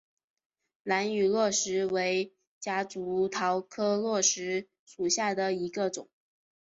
兰屿络石为夹竹桃科络石属下的一个种。